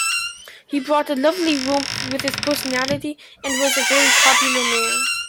He brought a lovely warmth with his personality and was a very popular man.